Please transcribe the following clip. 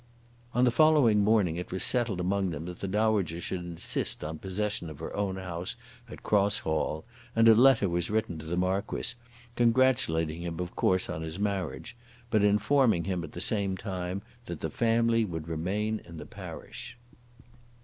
On the following morning it was settled among them that the dowager should insist on possession of her own house at Cross Hall, and a letter was written to the Marquis, congratulating him of course on his marriage, but informing him at the same time that the family would remain in the parish.